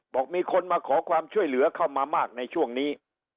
บอกมีคนมาขอความช่วยเหลือเข้ามามากในช่วงนี้